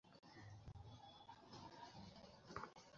তুমি ভয় পাচ্ছো?